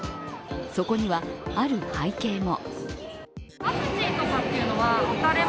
そこには、ある背景も。